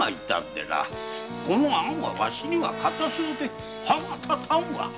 この餡はわしには固すぎて歯が立たんわ。